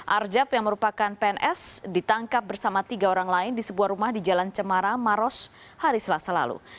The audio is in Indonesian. arjab yang merupakan pns ditangkap bersama tiga orang lain di sebuah rumah di jalan cemara maros hari selasa lalu